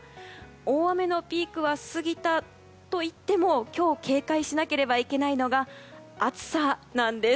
大雨のピークは過ぎたといっても今日、警戒しなければならないのが暑さなんです。